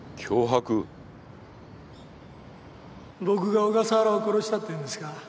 僕が小笠原を殺したっていうんですか？